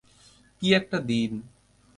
কী একটা দিন।